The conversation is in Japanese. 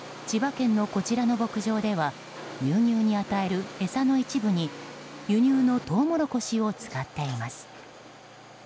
千葉県のこちらの牧場では乳牛に与える餌の一部に輸入のトウモロコシを使っています。